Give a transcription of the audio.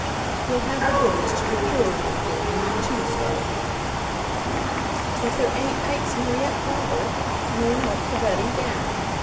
"You'll have the goodness to procure one for him on Tuesday." "But there ain't aits nor yet fother, nor nowt for bedding down.